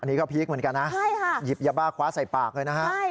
อันนี้ก็พีคเหมือนกันนะหยิบยาบ้าคว้าใส่ปากเลยนะฮะใช่ค่ะ